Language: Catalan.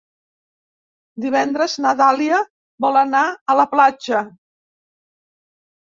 Divendres na Dàlia vol anar a la platja.